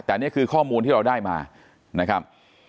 แต่นี่คือข้อมูลที่เราได้มานะครับ